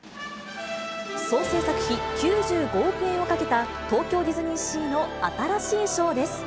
総製作費９５億円をかけた東京ディズニーシーの新しいショーです。